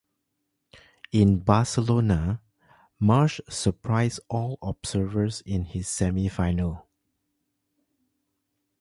In Barcelona, Marsh surprised all observers in his semi-final.